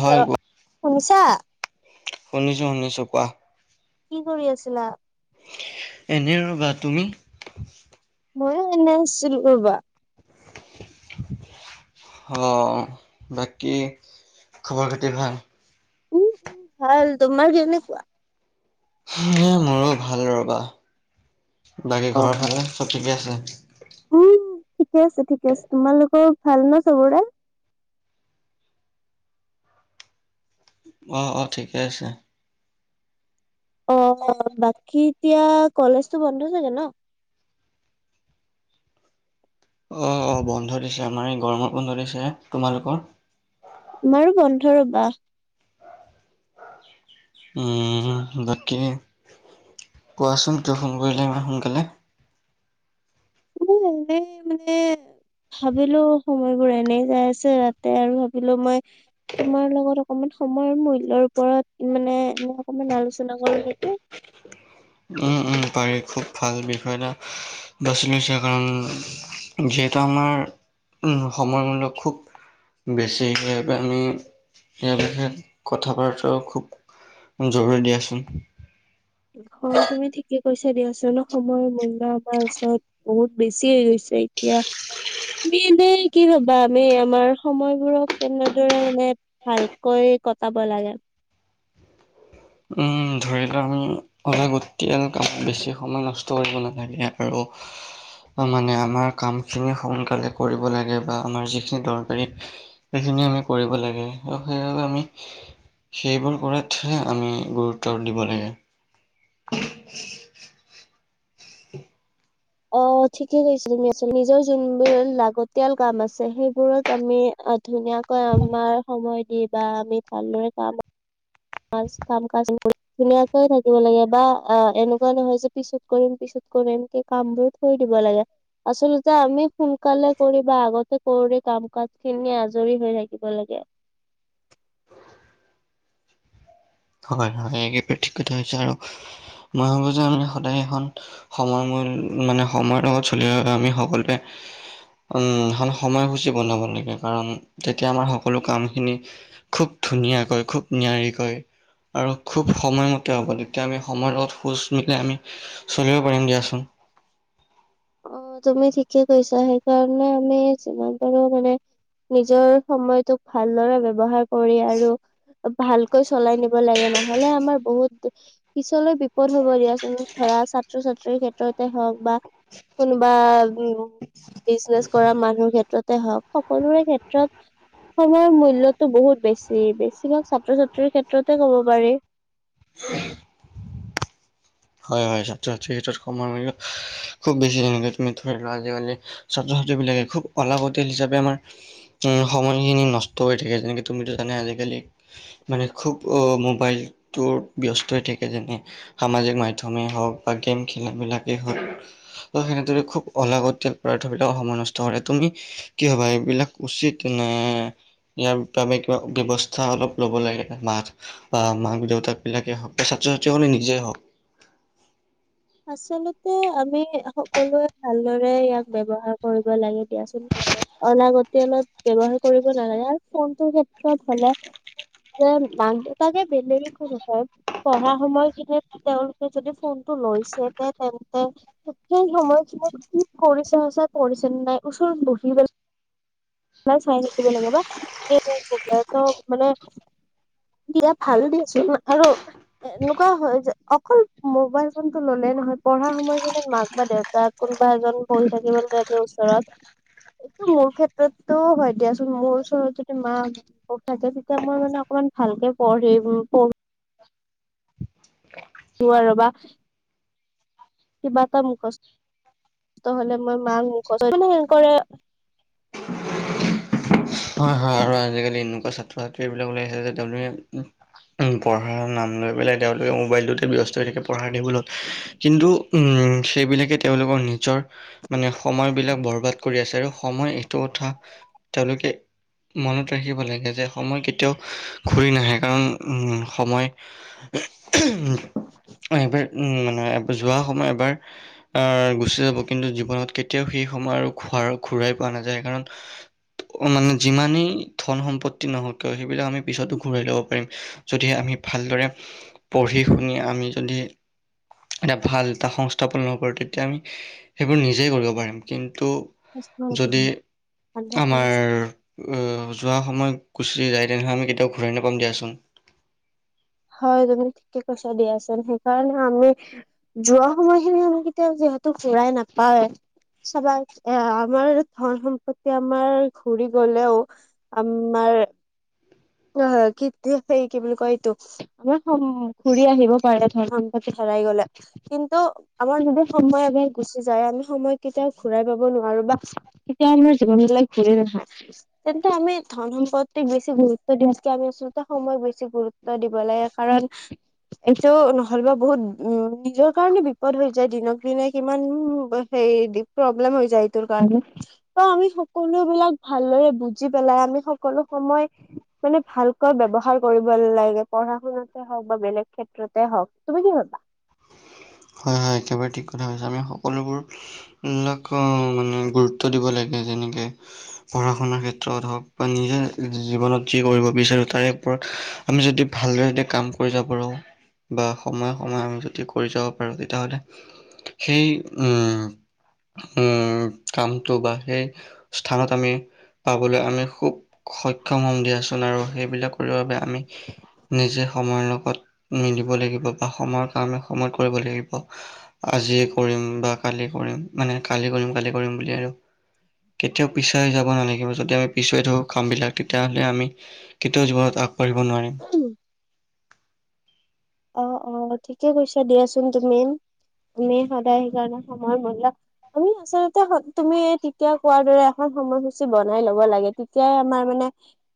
হয় অ', শুনিছা? শুনিছো শুনিছো কোৱা। কি কৰি আছিলা? এনে ৰবা তুমি? ময়ো এনে আছিলো ৰবা। অ', বাকী খবৰ খাতি ভাল? উম, উম, ভাল তোমাৰ কেনেকুৱা? এ মোৰো ভাল ৰবা বাকী অ ঘৰৰ ফালে চব ঠিকে আছে? উম, ঠিকে আছে ঠিকে আছে তোমালোকৰ ভাল ন চবৰে? অঁ', অঁ', ঠিকে আছে। অ', বাকী এতিয়া কলেজতো বন্ধ চাগে ন? অ', অ', বন্ধ দিছে আমাৰ এই গৰমত বন্ধ দিছে তোমালোকৰ? আমাৰো বন্ধ ৰবা। উম, বাকী কোৱাচোন কিয় ফোন কৰিলে ইমান সোনকালে? এনে মানে ভাবিলো সময়বোৰ এনে যাই আছে ৰাতে আৰু ভাবিলো মই তোমাৰ লগত অকমান সময়ৰ মূল্যৰ ওপৰত মানে এ অকমান আলোচনা কৰো নেকি। উম, উম, পাৰি খুব ভাল বিষয় এটা বাচি লৈছা কাৰণ যিহেতু আমাৰ উম, সময়মূলক খুব বেছি আমি ইয়াৰ বিষয়ে কথা বাৰতৰাও খুব জৰুৰী দিয়াচোন। হয় তুমি ঠিকে কৈছা দিয়াচোন সময় মূল বা আমাৰ ওচৰত বহুত বেছি হৈ গৈছে এতিয়া। তুমি এনেই কি ভবা আমি আমাৰ সময়বোৰক কেনেদৰে মানে ভালকৈ কটাব লাগে। উম, ধৰি লোৱা আমি অলাগতিয়াল কামত বেছি সময় নষ্ট কৰিব নালাগে আৰু মানে আমাৰ কামখিনি সোনকালে কৰিব লাগে বা আমাৰ যিখিনি দৰকাৰী সেইখিনি আমি কৰিব লাগে সেইবাবে আমি সেইবোৰ কৰা হে আমি গুৰুত্ব দিব লাগে। [inaudible] অ', ঠিকে কৈছ তুমি আ নিজৰ যোনবোৰ লাগতিয়াল কাম আছে সেইবোৰত আমি ধুনীয়া আমাৰ সময় দি বা আমি ভালদ কাম [unintelligible] ধুনীয়াকৈ থাকিব লাগে বা অ', এনেকুৱা নহয় যে পিছত কৰিম পিছত কৰিম কি কামবোৰত শুই দিব লাগে। আচলতে আমি সোনকালে কৰি বা আগতে কৰি কাম কাজ খিনি আজৰি হৈ থাকিব লাগে। হয় হয় একে থিক কথা কৈছে আৰু মৈ ভাবো যে আমি সদায় এখন সময় মূল মানে সময়ৰ লগত চলি আমি সকলোৱে উম, সময়সূচী বনাব লাগে কাৰণ তেতিয়া আমাৰ সকলো কামখিনি খুব ধুনীয়াকৈ খুব নিয়াৰিকৈ আৰু খুব সময়মতে হ'ব তেতিয়া আমি সময় লগত খোজ মিলাই আমি চলিব পাৰিম দিয়াচোন। অ', তুমি ঠিকে কৈছা সেইকাৰণে আমি যিমান পাৰো মানে নিজৰ সময়টোক ভালদৰে ব্যৱহাৰ কৰি আৰু ভালকৈ চলাই নিব লাগে নহলে আমাৰ বহুত পিছলৈ বিপদ হব দিয়াচোন ধৰা ছাত্ৰ ছাত্ৰীৰ ক্ষেত্ৰতে হওক বা কোনোবা উম, বিজনেচ কৰা মানুহৰ ক্ষেত্ৰতে হওক সকলোৰে ক্ষেত্ৰত সময়ৰ মূল্য়তো বহুত বেছি বেছিভাগ ছাত্ৰ ছাত্ৰীৰ ক্ষেত্ৰতে ক'ব পাৰি। [inaudible] হয় হয় ছাত্ৰ ছাত্ৰী হেতৰ কমৰ ম খুব বেছি দিনলে তমি ধৈৰিলো আজিকালি ছাত্ৰ ছাত্ৰী বিলাকে খুব অল অতিল হিচাপে আমাৰ উ সময়খিনি নষ্ট হৈ থাকে যেনেকে তুমিতো জানা আজিকালি মানে খুব মোবাইলটোত ব্যস্ত হৈ থাকে যেনে সামাজিক মাধম মথমেই হওক বা গেম খেলবিলাকেই হওক ত সেনেদৰে খুব অলাগত তেল পদাৰ্থবিলাক সময় নষ্ট কৰে তুমি কি হবা এইবিলাক উচিত নে ইয়াৰ আমি কিবা ব্যৱস্থা অলপ ল'ব লাগে মাছ বা মাক দেউতাক বিলাকে হওক বা ছাত্ৰ ছাত্ৰী কাৰে নিজেই হওক আচলতে আমি সকলোৱে ভালদৰে ইয়াক ব্যৱহাৰ কৰিব লাগে দিয়াচোন অনাগতি অলপ ব্যৱহাৰ কৰিব নালাগে আৰু ফোনটোৰ ক্ষেত্ৰত হলে যে ম দেউ তাকে বেেল খ হয় পঢ়া সময়খিনিত তেওঁলোকে যদি ফোনটো লৈছে তে তেন্তে সেই সময়খিনিত কি কৰিছে সচাই পৰিছে নে নাই ওচৰত বহি পেল ম চাই থাকিব লাগে বা সব ত মানে দিয়া ভাল দিয়াচোন আৰু এ এনেকুৱা হয় যে অকল মোবাইল ফোনতটো ললেই নহয় পঢ়া সময়খিনিত মাক বা দেউতাক তাত কোনোবা এজন বন থাকিব লাগে ওচৰত এইটো মোৰ ক্ষেত্ৰত ত ত ভাই দিয়া আচ মোৰ ওচৰততে মা তাকে তেতিয়া মই মানে অকমান ভালকে পঢ়ি উ ত আৰু ৰ বা কিবা এটা মুখচ তহ'লে মই মাক মুখচে হয় হয় আৰু আজিকালি এনেকুৱা ছাত্ৰ ছাত্ৰী এইবিলাক ওলাইিছে যে ড পঢ়াৰ নাম লৈ পেলাই তেওঁলোকে মোবাইলটোতে ব্যস্ত হৈ থাকে পঢ়াৰ দেিবলত কিন্তু সেইবিলাকে তেওঁলোকৰ নিজৰ মানে সময় বিলাক বৰবাদ কৰি আছে আৰু সময় এইটো কথা তেওঁলোকে মনত ৰাখিব লাগে যে সময় কেতিয়াও ঘূৰি নাহে কাৰণ সময় এইবাৰ উ মানে যোৱা সময় এবাৰ আহ গুচি যাব কিন্তু জীৱনত কেয়া এতিয়াও সেই সময় আৰু খ ঘূৰাই পোৱা নাযায় কাৰণ মানে যিমানেই ধন সম্পত্তি নহওক কিয় সেইবিলাক আমি পিছতো ঘূৰাই ল'ব পাৰিম যদি আমি ভালদৰে পঢ়ি শুনি আমি যদি এটা ভাল এটা সংস্থাপন নকৰোঁ তেতিয়া আমি সেইবোৰ নিজেই কৰিব পাৰিম কিন্তু আা যদি আমাৰ চলছো যোৱা সময়ত গুচি যায় তেনেহ'লে আমি কেতিয়াও ঘূৰাই নাপাম দিয়াচোন হয় তুমি ঠিকে কৈছা দিয়াচোন সেইকাৰণে আমি যোৱা সময়খিনি আমাক কেতিয়াও যিহেতু ঘুৰাই নাপায়ওঁ চবা এ আমাৰ ধন সম্পত্তি আমাৰ ঘূৰি গলেও আমাৰ অ কি সেই কি বুলি কতো আমাৰ ঘুৰি আহিব পাৰে ধৰ ধ পাতি হেৰাই গলে কিন্তু আমাৰ যদি সময় এবাৰ গুচি যায় আমি সময় কেতিয়াও ঘূৰাই পাব নোৱাৰো বা এতিয়া আমাৰ জীৱন বিলাক ঘূৰি নহা তেন্তে আমি ধন সম্পদ্ত বছি গুৰু কে আমি আচলতে সময়ক বেছি গুৰুত্ব দিব লাগে কাৰণ এইটো নহ'লবা বহুত উম নিজৰ কাৰণে বিপদ হৈ যায় দিনক দিনে কিমান সেই প্ৰব্লেম হৈ যায় তোৰ কাৰণ ত আমি সকলো বিলাক ভালদৰে বুজি পেলাই আমি সকলো সময় মানে ভালকৈ ব্যৱহাৰ কৰিব লাগে পঢ়া শুনাত হওক বা বেলেগ ক্ষেত্ৰতে হওক তুমি কি হবা হয় হয় একেবাৰে ঠিক কথা হৈছে আমি সকলোবোৰ নকওঁ মানে গুৰুত্ব দিব লাগে যেনেকে পঢ়া শুনাৰ ক্ষেত্ৰত হওক বা নিজে জীৱনত যি কৰিব বিচাৰো তাৰে ওৰত আমি যদি ভালদৰে যদি কাম কৰি যাব পাৰোঁ বা সময়ে সময়ে আমি যদি কৰি যাওঁ তেতিয়া হ'লে সেই উম উম, কামটো বা সেই স্থানত আমি পাবলৈ, আমি খুব সক্ষম হ'ম, দিয়া চোন। আৰু সেইবিলাক কৰিবৰ বাবে, আমি নিজে সময়ৰ লগত মিলিব লাগিব, আৰু সময়ৰ কাম সময়তে কৰিব লাগিব। আজি কৰিম বা কালি কৰিম। মানে, কালি কৰিম, কালি কৰিম বুলি আৰু কেতিয়াও পিছাই যাব নালাগিব। যদি আমি কামবিলাক পিছুৱাই থও তেতিয়া হ'লে আমি কেতিয়াও জীৱনত আগবাঢ়িব নোৱাৰিম। উম', অ', অ'। ঠিকেই কৈছা। দিয়া চোন। তুমি সদায় সেইকাৰণে সময়মূল্য বুজা। আমি আচলতে, তুমি তেতিয়া কোৱাৰ দৰে, এখন সময়সূচী বনাই ল'ব লাগে। তেতিয়াহে আমাৰ, মানে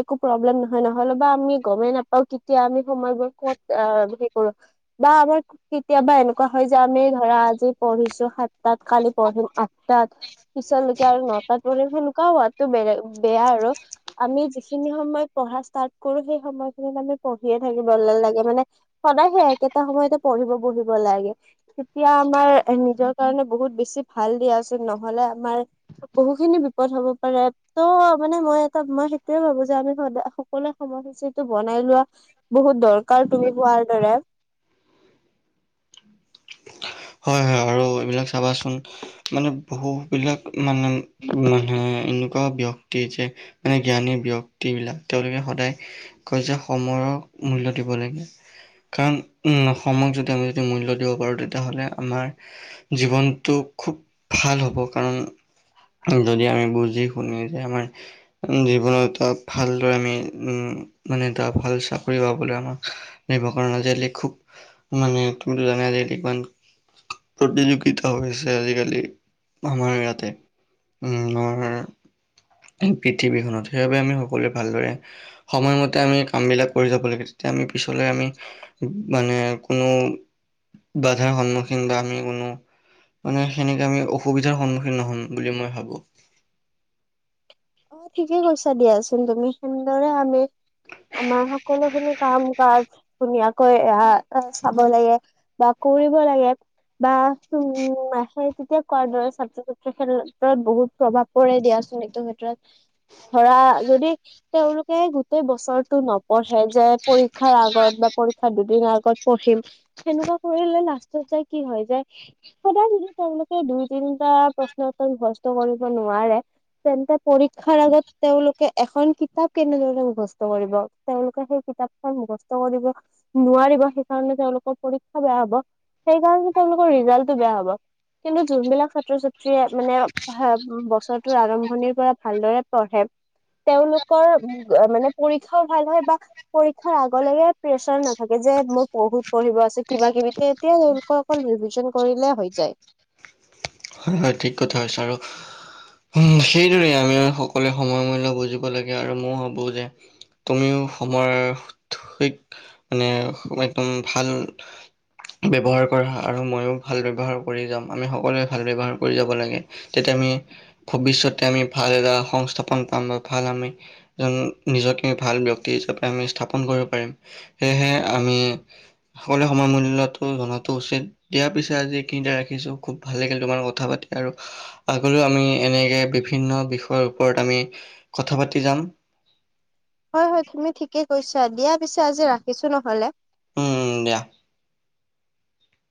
একো প্ৰব্লেম নহয়। নহ'লে, আমি গমেই নাপাওঁ কেতিয়া আমি সময়বোৰ ক'ত অপচয় অ কৰোঁ বা আমাৰ কেতিয়াবা এনেকুৱা হয় যে, আমি ধৰা আজি পঢ়িছোঁ সাতটাত কালি পঢ়িম আঠটাত। পিছলৈকে আৰু নটাত পঢ়ি। চেনেকুৱা হোৱাটো বেয়া, আৰু আমি যিখিনি সময়ত পঢ়া ষ্টাৰ্ট কৰোঁ, সেই সময়খিনিত আমি পঢ়িয়েই থাকিব লাগে, মানে। সদায়ে একেটা সময়তে পঢ়িবলৈ বহিব লাগে। তেতিয়া আমাৰ নিজৰ কাৰণে বহুত বেছি ভাল। দিয়া চোন, নহ'লে আমাৰ বহুতো বিপদ হ'ব পাৰে। তো, মানে মই এটা কথা ভাবোঁ যে, আমি সদায় সকলোৱে সময়সূচীটো বনাই লোৱা উচিত। বহুত দৰকাৰ, তুমি কোৱাৰ দৰে। হয়, হয়, আৰু ক'চাবাচোন, মানে বহু বিলাক মানুহ এনেকুৱা ব্যক্তি যে, মানে জ্ঞানী ব্যক্তিবিলাকে সদায় কৈ যে, সময়ক মূল্য দিব লাগে। কাৰণ, সময়ক যদি আমি মূল্য দিব পাৰোঁ, তেতিয়াহ'লে আমাৰ জীৱনটো খুব ভাল হ'ব, কাৰণ যদি আমি বুজি-শুনি যে, আমাৰ জীৱনত এটা ভাল চাকৰি পাবলৈ, আমাক ভালদৰে পঢ়িব লাগিব, মানে নিশ্চয়। আজি, মানে, তুমি জানাইছা আজিকালি প্ৰতি কি এটা হৈছে আজিকালি আমাৰ ইয়াত, আৰু পৃথিৱীখনত। সেইবাবে, আমি সকলোৱে ভালদৰে সময়মতে আমি কামবিলাক কৰি যাব লাগে। তেতিয়া আমি পিছলৈ মানে, কোনো বাধাৰ সন্মুখীন বা আমি কোনো মানে, চেনেকৈ আমি অসুবিধাৰ সন্মুখীন নহ'ম বুলি মই ভাবোঁ। অ', ঠিকেই কৈছা। দিয়া চোন, তুমি চেনেদৰে, আমি আমাৰ সকলোখিনি কাম-কাজ ধুনীয়াকৈ কৰিব লাগে। বা, কৰিব লাগে। বা, উম, তেতিয়া কোৱাৰ দৰে, ছাত্ৰ-ছাত্ৰীৰ ক্ষেত্ৰত বহুত প্ৰভাৱ পৰে। দিয়া চোন, নেকি? তাৰ ভিতৰত, ধৰা যদি তেওঁলোকে গোটেই বছৰটো নপঢ়ে ভাবে যে, পৰীক্ষাৰ আগত বা পৰীক্ষাৰ দুদিন আগত পঢ়িম। চেনেকুৱা কৰিলে, লাষ্টত কি হয় যে সদায়, যদি তেওঁলোকে দুই-তিনিটা প্ৰশ্নৰ উত্তৰ দিব নোৱাৰে তেন্তে, পৰীক্ষাৰ আগত তেওঁলোকে এখন কিতাপ কেনেদৰে শেষ কৰিব? তেওঁলোকে সেই কিতাপখন মুখস্থ কৰিব নোৱাৰিব। সেইকাৰণে তেওঁলোকৰ পৰীক্ষা বেয়া হ'ব। সেইকাৰণে, তেওঁলোকৰ ৰিজাল্টটো বেয়া হ'ব। কিন্তু, যোনবিলাক ছাত্ৰ-ছাত্ৰীয়ে, মানে, বছৰটোৰ আৰম্ভণিৰ পৰাই পৰাই ভালদৰে পঢ়ে, তেওঁলোকৰ, মানে, পৰীক্ষাও ভাল হয়। পৰীক্ষাৰ আগেয়ে তেওঁলোকৰ প্ৰেচাৰ নাথাকে যে, মোৰ বহুত পঢ়িব আছে, এতিয়া কিবা-কিবি তেতিয়াই অ', অকল ৰিভিজন কৰিলেই হৈ যায়। হয় হয়, ঠিক কথা হৈছে, আৰু সেইদৰে, আমি সকলোৱে সময়ৰ মূল্য বুজিব লাগে, আৰু মই ভাবোঁ যে তুমিও সময়ৰ, ঠিক মানে, একদম ভাল ব্যৱহাৰ কৰা আৰু ময়ো ভাল ব্যৱহাৰ কৰি যামওঁ আমি সকলোৱে ভাল ব্যৱহাৰ কৰি যাব লাগে, তেতিয়া আমি ভৱিষয়তে আমি ভাল এটা সংস্থাপন পাম বা ভাল আমি যেন নিজকে ভাল ব্যক্তি হিচাপে আমি স্থাপন কৰিব পাৰিম, সেয়েহে আমি সকলোৱে সময় মূল্যটো জনাতো উচিত দিয়াৰ পিছত আজি এইখিনিতে ৰাখিছো খুব ভাল লাগিল তোমাৰ কথা কথা পাতি আৰু আগলৈও আমি এনেকে বিভিন্ন বিষয়ৰ ওপৰত আমি, কথা পাতি যাম। হয় হয় তুমি ঠিকে কৈছা, দিয়া পিছে আজি ৰাখিছো নহলে। উম দিয়া।